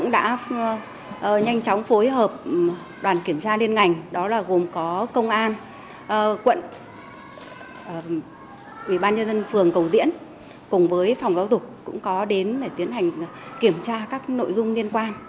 đoàn kiểm tra liên ngành đó là gồm có công an quận quỹ ban nhân dân phường cầu diễn cùng với phòng giáo dục cũng có đến để tiến hành kiểm tra các nội dung liên quan